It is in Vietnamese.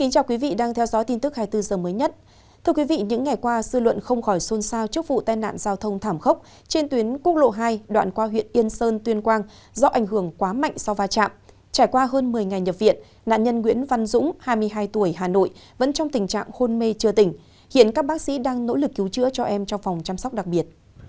các bạn hãy đăng ký kênh để ủng hộ kênh của chúng mình nhé